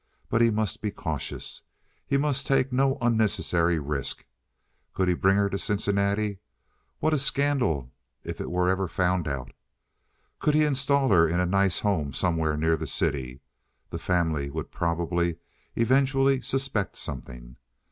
But he must be cautious; he must take no unnecessary risks. Could he bring her to Cincinnati? What a scandal if it were ever found out! Could he install her in a nice home somewhere near the city? The family would probably eventually suspect something.